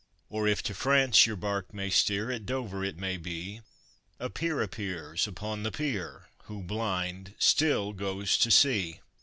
Or, if to France your bark may steer, at Dover it may be, A peer appears upon the pier, who, blind, still goes to sea.